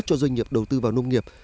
cho doanh nghiệp đầu tư vào nông nghiệp